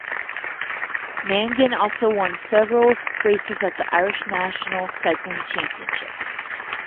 Mangan also won several races at the Irish National Cycling Championships.